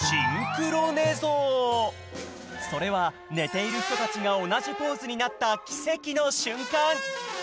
それはねているひとたちがおなじポーズになったきせきのしゅんかん！